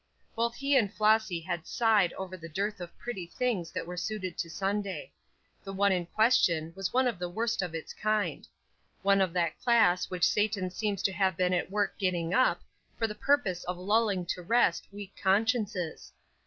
Both he and Flossy had sighed over the dearth of pretty things that were suited to Sunday. The one in question was one of the worst of its kind one of that class which Satan seems to have been at work getting up, for the purpose of lulling to rest weak consciences.